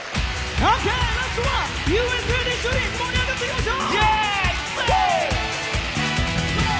ラストは「Ｕ．Ｓ．Ａ．」で一緒に盛り上がっていきましょう！